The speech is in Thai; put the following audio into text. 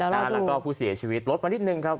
แล้วก็ผู้เสียชีวิตลดมานิดนึงครับ